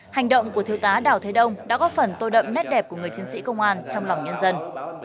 hành động của thiếu tá đào thế đông đã góp phần tô đậm nét đẹp của người chiến sĩ công an trong lòng nhân dân